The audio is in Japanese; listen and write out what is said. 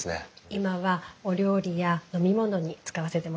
今はお料理や飲み物に使わせてもらってます。